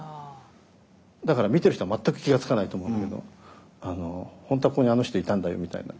だから見てる人は全く気が付かないと思うけど本当はここにあの人いたんだよみたいな。